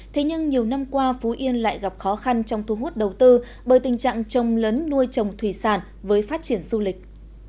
thế nhưng nhiều năm qua phú yên lại gặp khó khăn trong thu hút đầu tư bởi tình trạng trông lấn nuôi trồng thủy sản với phát triển du lịch